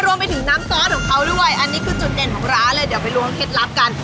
อ๋อรวมไปถึงน้ำซ้อนของเขาด้วยจะไปลวมเข็มลับกัน